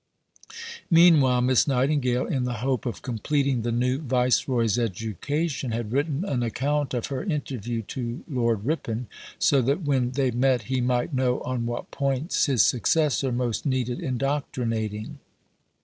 Meanwhile, Miss Nightingale, in the hope of completing the new Viceroy's education, had written an account of her interview to Lord Ripon, so that when they met he might know on what points his successor most needed indoctrinating.